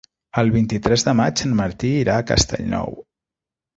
El vint-i-tres de maig en Martí irà a Castellnou.